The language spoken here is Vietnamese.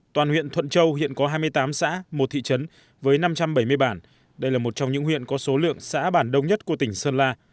toàn huyện thuận châu hiện có hai mươi tám xã một thị trấn với năm trăm bảy mươi bản đây là một trong những huyện có số lượng xã bản đông nhất của tỉnh sơn la